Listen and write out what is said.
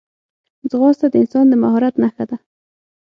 ځغاسته د انسان د مهارت نښه ده